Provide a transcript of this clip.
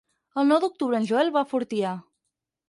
El nou d'octubre en Joel va a Fortià.